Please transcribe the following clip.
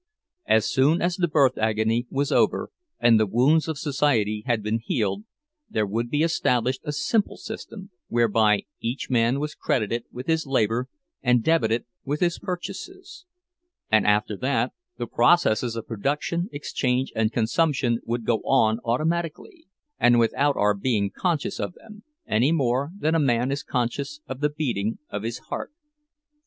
As soon as the birth agony was over, and the wounds of society had been healed, there would be established a simple system whereby each man was credited with his labor and debited with his purchases; and after that the processes of production, exchange, and consumption would go on automatically, and without our being conscious of them, any more than a man is conscious of the beating of his heart.